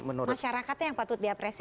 masyarakatnya yang patut diapresiasi